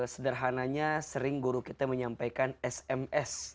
sederhananya sering guru kita menyampaikan sms